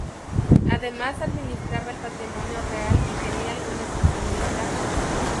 Además administraba el patrimonio real y tenía alguna función militar.